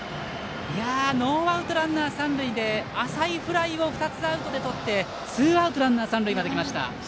ノーアウト、ランナー、三塁で浅いフライを２つアウトでとってツーアウト、ランナー、三塁まできました。